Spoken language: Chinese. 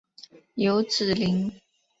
有脂鳍。